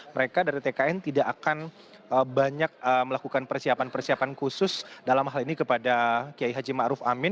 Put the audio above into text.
mereka dari tkn tidak akan banyak melakukan persiapan persiapan khusus dalam hal ini kepada kiai haji ⁇ maruf ⁇ amin